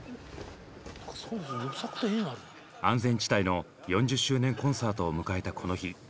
安全地帯の４０周年コンサートを迎えたこの日。